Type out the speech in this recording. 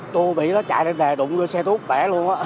tôi bị nó chạy lên lệ đụng cho xe thuốc bẻ luôn á